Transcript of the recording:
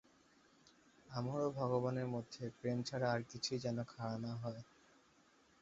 আমার ও ভগবানের মধ্যে প্রেম ছাড়া আর কিছুই যেন খাড়া না হয়।